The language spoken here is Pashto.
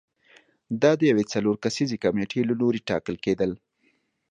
دا د یوې څلور کسیزې کمېټې له لوري ټاکل کېدل